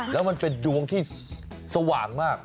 แล้วมันเป็นดวงที่สว่างมาก